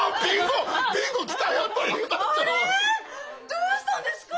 どうしたんですか？